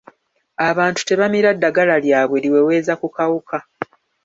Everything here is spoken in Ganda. Abantu tebamira ddagala lyabwe liweweeza ku kawuka.